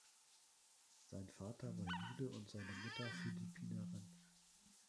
Sein Vater war Jude und seine Mutter Philippinerin.